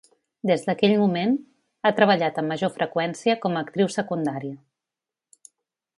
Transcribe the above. Des d'aquell moment ha treballat amb major freqüència com a actriu secundària.